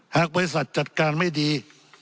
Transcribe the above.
หากบริษัทจัดการไม่ดี